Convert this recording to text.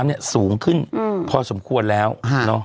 โทษทีน้องโทษทีน้อง